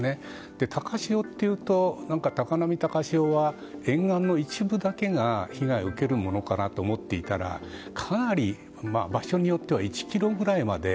高潮というと、高波・高潮は沿岸の一部だけが、被害を受けるものかなと思っていたらかなり場所によっては１ｋｍぐらいまで。